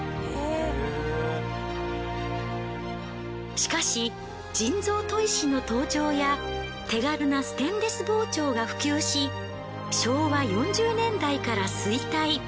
しかし人造砥石の登場や手軽なステンレス包丁が普及し昭和４０年代から衰退。